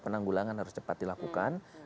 penanggulangan harus cepat dilakukan